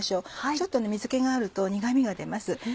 ちょっと水気があると苦味が出ます。